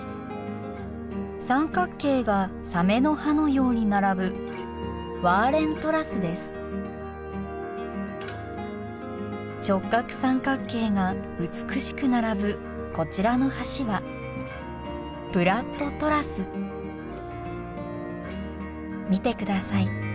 三角形がサメの歯のように並ぶ直角三角形が美しく並ぶこちらの橋は見てください